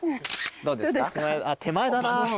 ・どうですか？